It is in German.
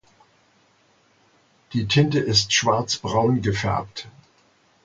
Die Tinte ist schwarzbraun gefärbt.